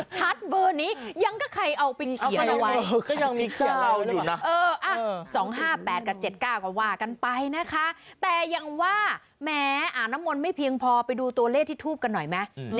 ชัดเบอร์นี้ยังก็ใครเอาเป็นเขียละไว้เหอก็ยังมีเคียลเล่านั่น